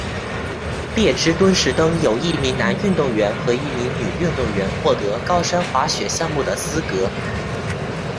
列支敦士登有一名男运动员和一名女运动员获得高山滑雪项目的资格。